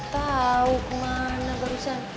tau kemana barusan